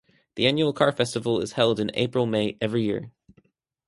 The annual car festival is held in April-May every year.